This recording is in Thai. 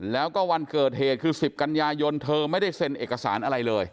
แล้วก็วันเกิดเหตุคือ๑๐กันยายนเธอไม่ได้เซ็นเอกสารอะไรเลย